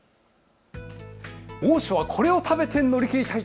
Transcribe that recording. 猛暑はこれを食べて乗り切りたい。